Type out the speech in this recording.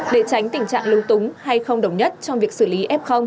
để tránh tình trạng lưu túng hay không đồng nhất trong việc xử lý f